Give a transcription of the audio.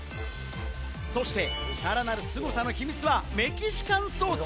そして、さらなるすごさの秘密はメキシカンソース。